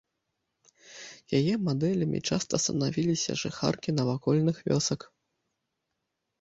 Яе мадэлямі часта станавіліся жыхаркі навакольных вёсак.